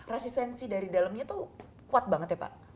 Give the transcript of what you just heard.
resistensi dari dalamnya tuh kuat banget ya pak